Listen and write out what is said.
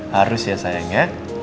harus ya sayang ya